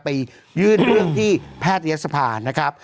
ไปยื่นเรื่องที่แพทยศภานะครับ